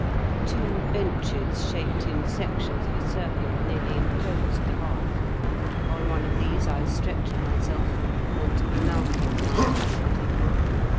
Two benches, shaped in sections of a circle, nearly enclosed the hearth; on one of these I stretched myself, and Grimalkin mounted the other.